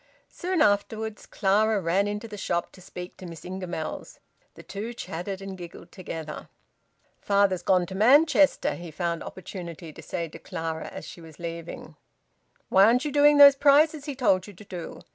Soon afterwards Clara ran into the shop to speak to Miss Ingamells. The two chatted and giggled together. "Father's gone to Manchester," he found opportunity to say to Clara as she was leaving. "Why aren't you doing those prizes he told you to do?"